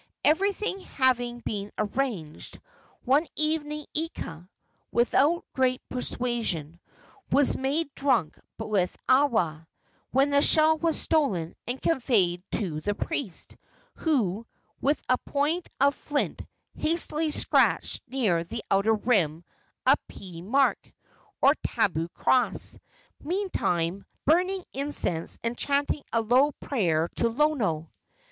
Everything having been arranged, one evening Ika, without great persuasion, was made drunk with awa, when the shell was stolen and conveyed to the priest, who, with a point of flint, hastily scratched near the outer rim a pea mark, or tabu cross, meantime burning incense and chanting a low prayer to Lono.